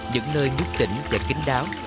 những nơi nước tỉnh và kính đáo